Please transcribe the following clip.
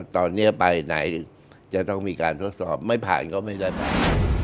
ตอนนี้ไปไหนจะต้องมีการทดสอบไม่ผ่านก็ไม่ได้ผ่าน